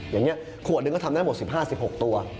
อย่างนี้ขวดหนึ่งก็ทำได้หมด๑๕๑๖ตัว